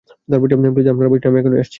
Please আপনারা বসেন আমি এখনই আসছি।